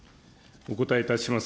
お答えいたします。